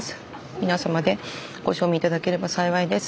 皆様でご賞味頂ければ幸いです。